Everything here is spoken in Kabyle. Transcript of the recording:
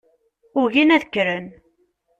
Ugin ad kkren.